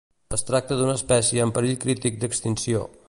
Es tracta d'una espècie en perill crític d'extinció.